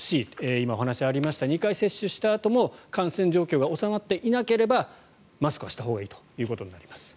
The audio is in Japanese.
今、お話がありましたが２回接種したあとも感染状況が収まっていなければマスクはしたほうがいいということになります。